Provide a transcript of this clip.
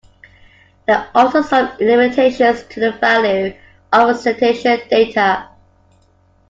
There are also some limitations to the value of citation data.